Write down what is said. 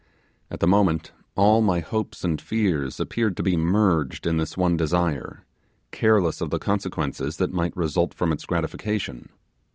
At the moment all my hopes and fears appeared to be merged in this one desire, careless of the consequences that might result from its gratification.